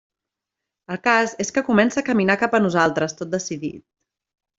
El cas és que comença a caminar cap a nosaltres tot decidit.